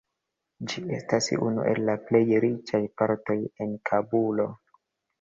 Ĝi estas unu el la plej riĉaj partoj en Kabulo.